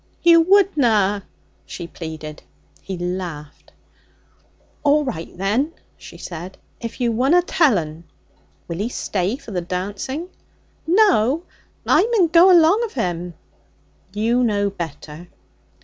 'You wouldna!' she pleaded. He laughed. 'A'right, then,' she said, 'if you wunna tell 'un.' 'Will he stay for the dancing?' 'No. I mun go along of him.' 'You know better.'